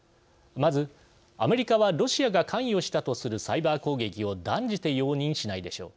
まず、アメリカはロシアが関与したとするサイバー攻撃を断じて容認しないでしょう。